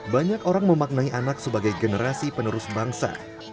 banyak orang memaknai anak sebagai generasi penerus bangsa